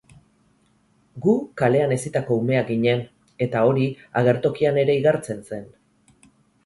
Gu kalean hezitako umeak ginen, eta hori agertokian ere igartzen zen.